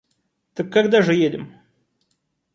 Так когда же едем?